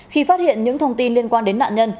khi phát hiện những thông tin liên quan đến nạn nhân